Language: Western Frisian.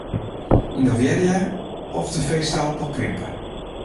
Ynnovearje, of de feesteapel krimpe?